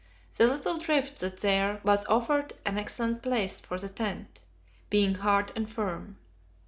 The little drift that there was offered an excellent place for the tent, being hard and firm.